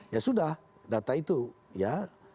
ya sudah data itu ya